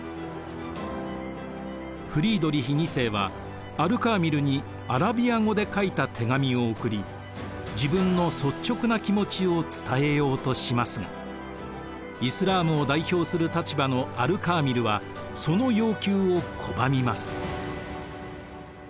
フリードリヒ２世はアル・カーミルにアラビア語で書いた手紙を送り自分の率直な気持ちを伝えようとしますがイスラームを代表する立場のアル・カーミルはその要求を拒みます。